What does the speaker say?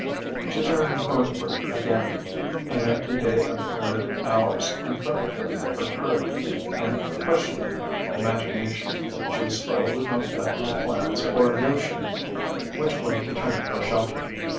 She turned northward again. An empty day of arid hours confronted her perturbed and questioning imagination. She was still without definite plans or notion which way to turn for shelter.